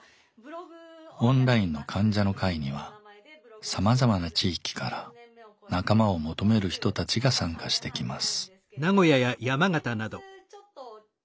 オンラインの患者の会にはさまざまな地域から仲間を求める人たちが参加してきます。